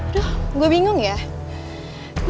sampai jumpa di video selanjutnya